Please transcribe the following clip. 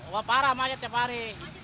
wah parah macet ya pari